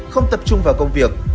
không tập trung vào công việc